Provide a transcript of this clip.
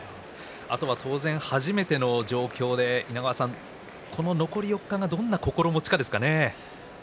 あとは当然初めての状況で残り４日でどんな心持ちですかね。